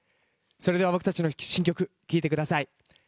それでは僕たちの新曲聴いてください。